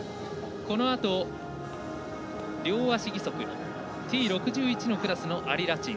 このあと、両足義足Ｔ６１のクラスのアリ・ラチン。